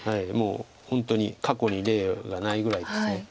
もう本当に過去に例がないぐらいです。